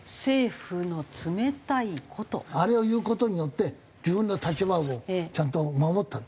あれを言う事によって自分の立場をちゃんと守った。